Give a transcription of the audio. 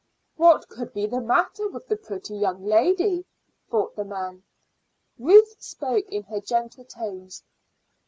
"What could be the matter with the pretty young lady?" thought the man. Ruth spoke in her gentle tones.